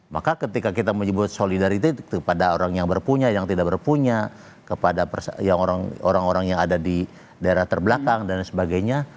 maka ketika kita menyebut solidarity kepada orang yang berpunya yang tidak berpunya kepada orang orang yang ada di daerah terbelakang dan sebagainya